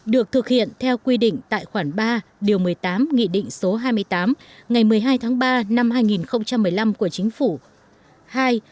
được thực hiện theo quy định tài khoản ba điều một mươi tám nghị định số hai mươi tám ngày một mươi hai tháng ba năm hai nghìn một mươi năm